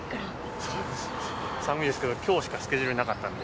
寒いですけど、きょうしかスケジュールがなかったんで。